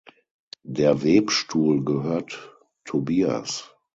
Der Webstuhl gehört Tobias.